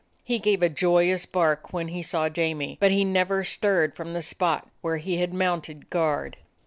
He gave a joyous bark when he saw Jamie, but he never stirred from the spot where he had mounted guard.